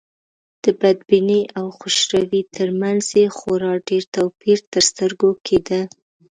د بدبینۍ او خوشروی تر منځ یې خورا ډېر توپير تر سترګو کېده.